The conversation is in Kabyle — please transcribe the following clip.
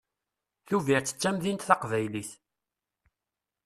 Tubiret d tamdint taqbaylit.